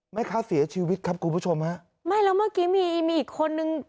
แม่ค้าเสียชีวิตครับคุณผู้ชมฮะไม่แล้วเมื่อกี้มีมีอีกคนนึง